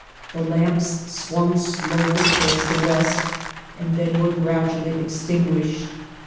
The lamps swung slowly toward the west and then were gradually extinguished.